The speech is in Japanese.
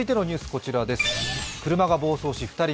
こちらです。